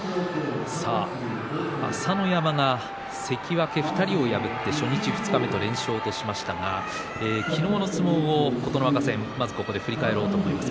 朝乃山が関脇２人を破って初日、二日目と連勝しましたが昨日の琴ノ若戦振り返ろうと思います。